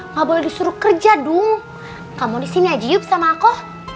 ngobrol disuruh kerja duung kamu di sini aja yuk sama aku